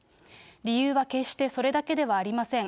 理由は決してそれだけではありません。